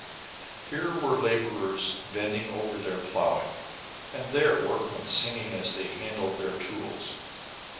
Here were laborers bending over their plough ing, and there workmen singing as they handled their tools.